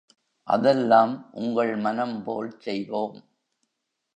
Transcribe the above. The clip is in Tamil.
அதெல்லாம் உங்கள் மனம்போல் செய்வோம்.